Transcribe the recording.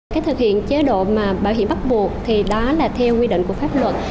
cái thực hiện chế độ mà bảo hiểm bắt buộc thì đó là theo quy định của pháp luật